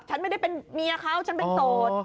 ฉันไม่ได้เป็นเมียเขาฉันเป็นโสด